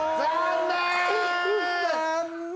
残念！